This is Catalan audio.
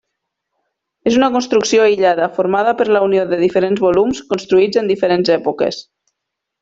És una construcció aïllada formada per la unió de diferents volums, construïts en diferents èpoques.